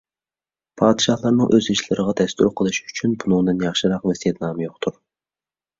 پادىشاھلارنىڭ ئۆز ئىشىلىرىغا دەستۇر قىلىشى ئۈچۈن بۇنىڭدىن ياخشىراق ۋەسىيەتنامە يوقتۇر.